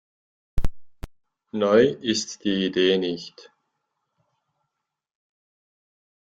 Neu ist die Idee nicht.